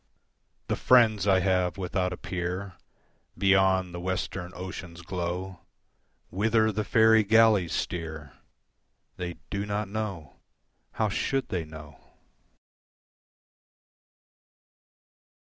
L'Envoi The friends I have without a peer Beyond the western ocean's glow, Whither the faerie galleys steer, They do not know: how should they know?